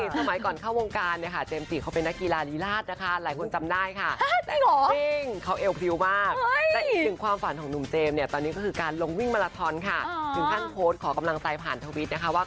สมัยก่อนเข้าวงการเจมส์ศรีเขาเป็นนักกีฬารีราชนะคะหลายคนจำได้ค่ะ